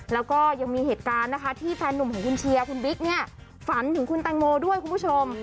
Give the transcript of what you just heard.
แล้วก็ยังมีเหตุการณ์นะคะที่แฟนหนุ่มของคุณเชียร์คุณบิ๊กเนี่ยฝันถึงคุณแตงโมด้วยคุณผู้ชม